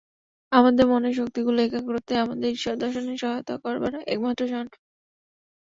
আমাদের মনের শক্তিগুলির একাগ্রতাই আমাদের ঈশ্বরদর্শনে সহায়তা করবার একমাত্র যন্ত্র।